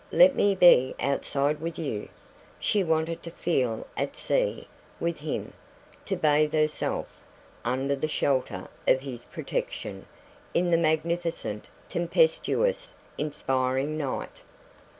Let me be outside with you!" She wanted to feel "at sea" with him, to bathe herself, under the shelter of his protection, in the magnificent, tempestuous, inspiring night.